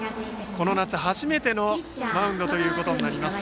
この夏初めてのマウンドとなります。